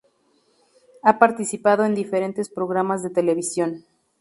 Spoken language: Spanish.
Ha participado en diferentes programas de televisión.